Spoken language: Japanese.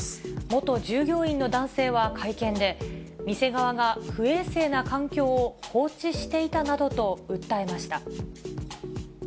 元従業員の男性は会見で、店側が不衛生な環境を放置していたなどと訴えました。